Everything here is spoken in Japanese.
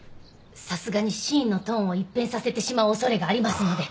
さすがにシーンのトーンを一変させてしまう恐れがありますので。